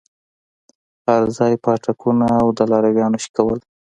هرځاى پاټکونه او د لارويانو شکول.